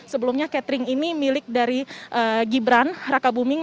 sebelumnya catering ini milik dari gibran raka buming